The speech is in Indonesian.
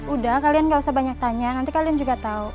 udah kalian gak usah banyak tanya nanti kalian juga tahu